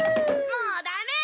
もうダメ！